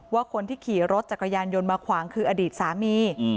ว่าคนที่ขี่รถจักรยานยนต์มาขวางคืออดีตสามี